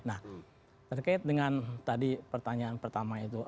nah terkait dengan tadi pertanyaan pertama itu